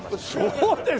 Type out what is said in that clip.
そうですか！？